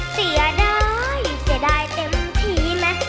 เสียดายเสียดายเต็มทีไหม